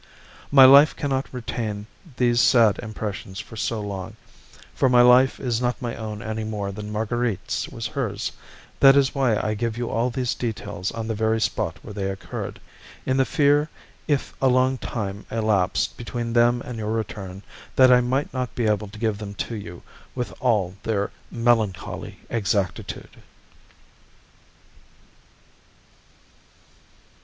My life can not retain these sad impressions for long, for my life is not my own any more than Marguerite's was hers; that is why I give you all these details on the very spot where they occurred, in the fear, if a long time elapsed between them and your return, that I might not be able to give them to you with all their melancholy exactitude.